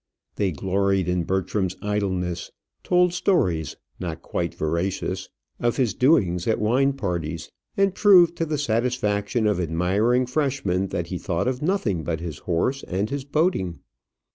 They gloried in Bertram's idleness; told stories, not quite veracious, of his doings at wine parties; and proved, to the satisfaction of admiring freshmen, that he thought of nothing but his horse and his boating.